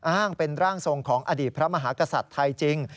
อ้างเป็นร่างทรงของอดีตพระมหากษัตริย์ไทยจริง